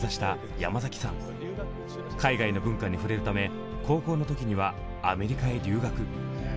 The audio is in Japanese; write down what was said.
海外の文化に触れるため高校の時にはアメリカへ留学。